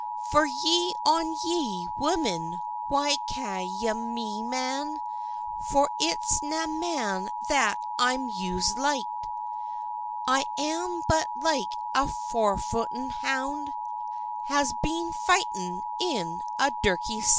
"Fye on ye, women! why ca' ye me man? For it's nae man that I'm used like; I am but like a forfoughen hound, Has been fighting in a dirty syke."